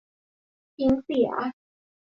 ทิ้งเสีย